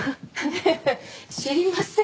ええ知りません。